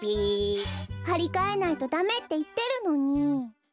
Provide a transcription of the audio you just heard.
はりかえないとダメっていってるのに！